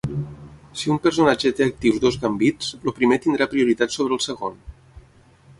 Si un personatge té actius dos gambits, el primer tindrà prioritat sobre el segon.